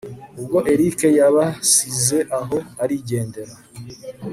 ubwo erick yabasize aho arigendera